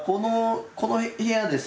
この部屋でさ